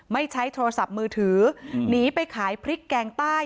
ไม่ใช้โทรศัพท์มือถือหนีไปขายพริกแกงใต้